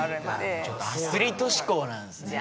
アスリート志向なんですね。